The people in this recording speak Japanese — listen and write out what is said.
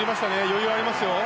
余裕がありますよ。